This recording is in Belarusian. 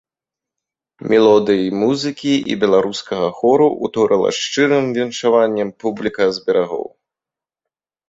Мелодыі музыкі і беларускага хору ўторыла шчырым віншаваннем публіка з берагоў.